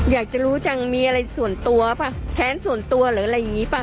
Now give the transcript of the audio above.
อยากจะรู้จังมีอะไรส่วนตัวป่ะแค้นส่วนตัวหรืออะไรอย่างนี้ป่ะ